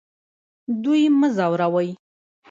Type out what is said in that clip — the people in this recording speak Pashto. دوی مه ځوروئ